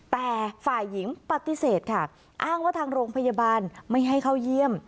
แต่ฝ่ายหญิงปฏิเสธค่ะอ้างว่าทางโรงพยาบาลไม่ให้เข้าเยี่ยม